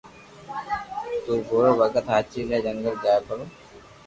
تو ڀورو ڀگت ھاچي لي جنگل جائي پرو